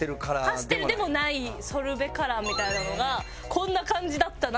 パステルでもないソルベカラーみたいなのがこんな感じだったなっていう。